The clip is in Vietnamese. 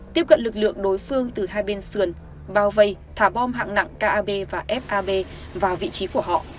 tiếp cận lực lượng đối phương từ hai bên sườn bao vây thả bom hạng nặng cab và fab vào vị trí của họ